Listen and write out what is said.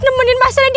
temenin mas randy